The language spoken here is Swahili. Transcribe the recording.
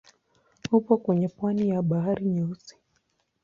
Upo kwenye pwani ya Bahari Nyeusi.